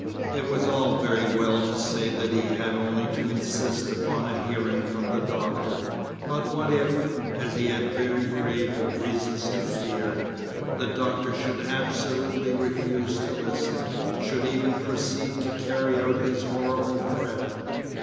It was all very well to say that he had only to insist upon a hearing from the Doctor, but what if, as he had very grave reason to fear, the Doctor should absolutely refuse to listen, should even proceed to carry out his horrible threat?